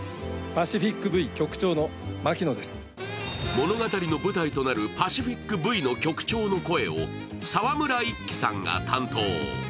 物語の舞台となるパシフィック・ブイの局長の声を沢村一樹さんが担当。